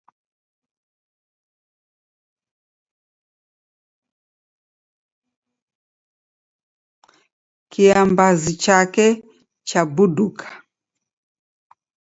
Kiambazi chake chabuduka.